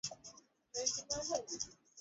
Kumekuwepo na uhaba wa mafuta